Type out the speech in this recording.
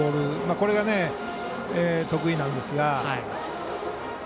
これが得意なんですが。